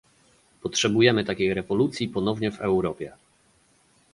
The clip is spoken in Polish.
Potrzebujemy takiej rewolucji ponownie w Europie